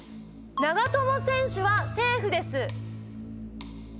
長友選手はセーフです。